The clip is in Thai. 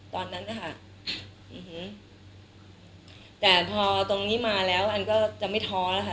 ตอนนั้นนะคะแต่พอตรงนี้มาแล้วอันก็จะไม่ท้อแล้วค่ะ